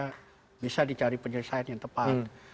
kita bisa dicari penyelesaian yang tepat